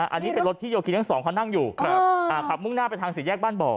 อันนี้เป็นรถที่โยคีทั้งสองเขานั่งอยู่ขับมุ่งหน้าไปทางสี่แยกบ้านบ่อ